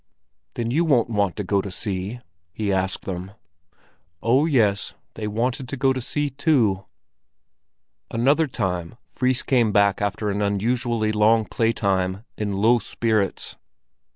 "Then you won't want to go to sea?" he asked them. Oh, yes, they wanted to go to sea, too! Another time Fris came back after an unusually long playtime in low spirits.